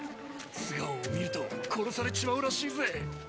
・素顔を見ると殺されちまうらしーぜ。